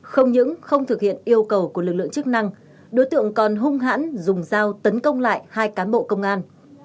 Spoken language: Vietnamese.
không những không thực hiện yêu cầu của lực lượng chức năng đối tượng còn hung hãn dùng dao tấn công lại hai cán bộ công an